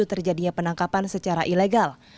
terjadinya penangkapan secara ilegal